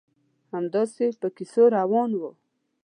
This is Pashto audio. همداسې په کیسو روان وو.